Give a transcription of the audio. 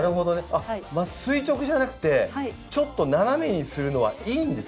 あっ垂直じゃなくてちょっと斜めにするのはいいんですか？